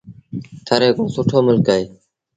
ٿر هڪڙو سُٺو ملڪ اهي